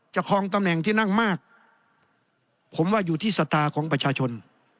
คลองตำแหน่งที่นั่งมากผมว่าอยู่ที่สตาร์ของประชาชน